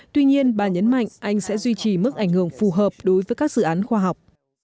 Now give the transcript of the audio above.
tuy nhiên bà nhấn mạnh anh sẽ duy trì mức ảnh hưởng phù hợp đối với các dự án khoa học